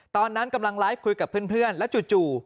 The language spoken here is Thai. ตอนนั้นกำลังไลฟ์คุยกับเพื่อนแล้วจู่